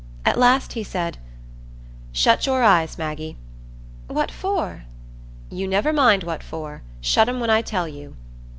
At last he said,— "Shut your eyes, Maggie." "What for?" "You never mind what for. Shut 'em when I tell you."